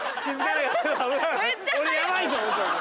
俺ヤバいと思ったんだ。